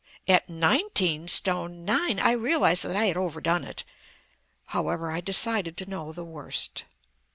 At nineteen stone nine I realized that I had overdone it. However I decided to know the worst.